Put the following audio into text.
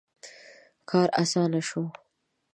• کار آسانه شو.